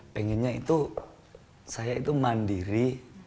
pengennya itu saya itu mandiri